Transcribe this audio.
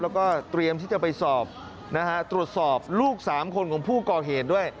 แล้วก็เตรียมที่จะไปสอบนะฮะตรวจสอบลูก๓คนของผู้ก่อเหตุด้วย